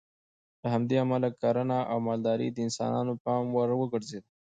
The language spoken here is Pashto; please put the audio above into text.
له همدې امله کرنه او مالداري د انسانانو پام وګرځېد